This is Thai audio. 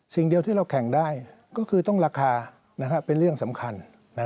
สิ่งเดียวที่เราแข่งได้ก็คือต้องราคาเป็นเรื่องสำคัญ